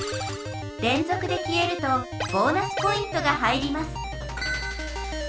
れんぞくで消えるとボーナスポイントが入ります。